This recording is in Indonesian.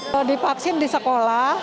kalau divaksin di sekolah